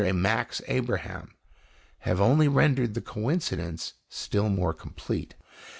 Max Abraham have only rendered the coincidence still more complete.